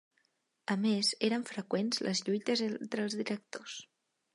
A més, eren freqüents les lluites entre els directors.